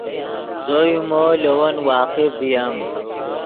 زو یو مو لے ون واقف ڤییم